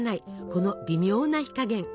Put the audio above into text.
この微妙な火加減。